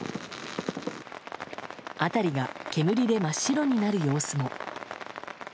辺りが煙で真っ白になる様子も。